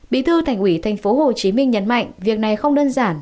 bí thư thành ủy tp hcm nhấn mạnh việc này không đơn giản